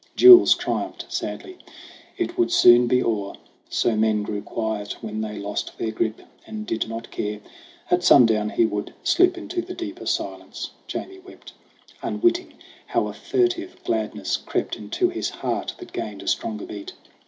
Jules triumphed sadly. 'It would soon be o'er; So men grew quiet when they lost their grip And did not care. At sundown he would slip Into the deeper silence/ Jamie wept, Unwitting how a furtive gladness crept Into his heart that gained a stronger beat.